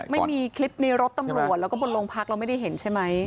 ไม่มีคลิปในรถตำรวจแล้วก็บนโรงพักเราไม่ได้เห็นใช่ไหม